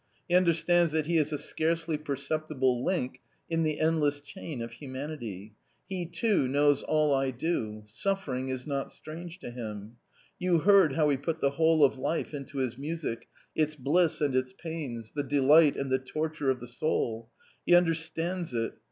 He under stands that he is a scarcely perceptible link in the endless chain of humanity ; he too knows all I do ; suffering is not strange to him. You heard how he put the whole of life into his music, its bliss and its pains, the delight and the torture of the soul. He understands it.